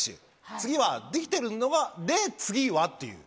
次は、できてるので、次は？っていう。